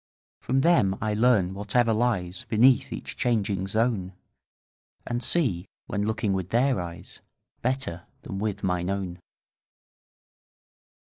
From them I learn whatever lies Beneath each changing zone, And see, when looking with their eyes, 35 Better than with mine own.